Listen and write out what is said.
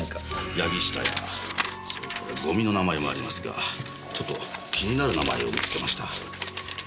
八木下や五味の名前もありますがちょっと気になる名前を見つけました。